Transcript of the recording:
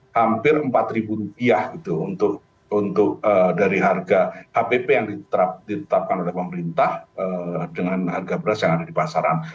hampir rp empat gitu untuk dari harga hpp yang ditetapkan oleh pemerintah dengan harga beras yang ada di pasaran